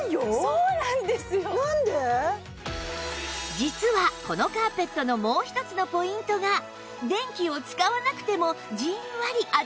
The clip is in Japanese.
実はこのカーペットのもう一つのポイントが電気を使わなくてもじんわりあったかい！